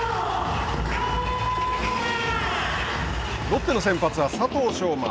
ロッテの先発は佐藤奨真。